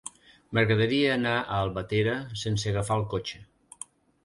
M'agradaria anar a Albatera sense agafar el cotxe.